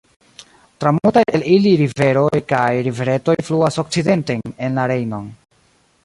Tra multaj el ili riveroj kaj riveretoj fluas okcidenten en la Rejnon.